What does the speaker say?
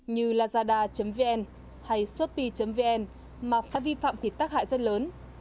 như lazada vn hay shopee vn mà phải vi phạm thì tác hại rất lớn